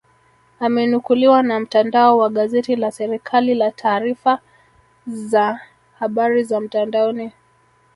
Amenukuliwa na mtandao wa gazeti la serikali la taarifa za habari za mtandaoni